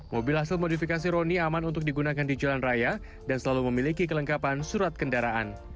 mobil hasil modifikasi roni aman untuk digunakan di jalan raya dan selalu memiliki kelengkapan surat kendaraan